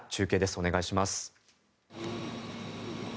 お願いします。